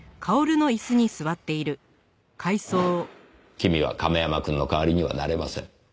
君は亀山くんの代わりにはなれません。